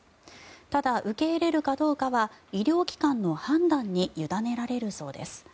ただ、受け入れるかどうかは医療機関の判断に委ねられるそうです。